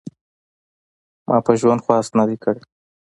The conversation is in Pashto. ما په ژوند خواست نه دی کړی .